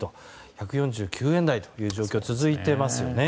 １４９円台の状況が続いていますよね。